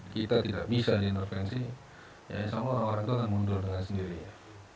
kita tidak bisa diintervensi ya insya allah orang orang itu akan mundur dengan sendirinya